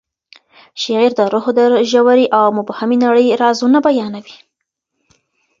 شعر د روح د ژورې او مبهمې نړۍ رازونه بیانوي.